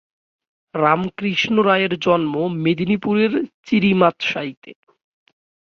রামকৃষ্ণ রায়ের জন্ম মেদিনীপুরের চিরিমাতসাইতে।